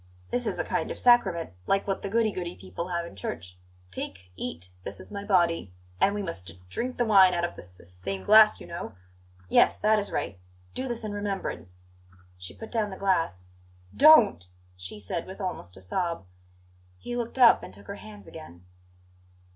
"This is a kind of sacrament, like what the goody goody people have in church. 'Take, eat; this is my body.' And we must d drink the wine out of the s s same glass, you know yes, that is right. 'Do this in remembrance '" She put down the glass. "Don't!" she said, with almost a sob. He looked up, and took her hands again.